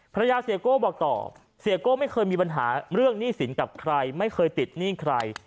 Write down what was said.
เสียโก้บอกต่อเสียโก้ไม่เคยมีปัญหาเรื่องหนี้สินกับใครไม่เคยติดหนี้ใคร